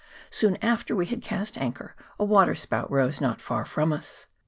Soon after we had cast anchor a waterspout rose not far from us.